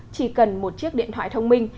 chỉ cần một chiếc điện thoại thông minh